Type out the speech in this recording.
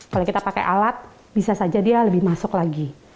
kalau kita pakai alat bisa saja dia lebih masuk lagi